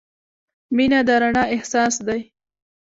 • مینه د رڼا احساس دی.